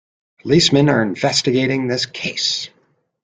Policemen are investigating in this case.